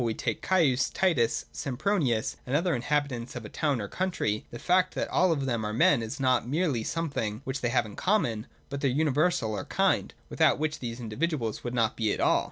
we take Caius, Titus, Sempronius, and the other inhabitants of a town or country, the fact that all of them are men is not merely something which they have in common, but their universal or kind, without which these individuals would not be at all.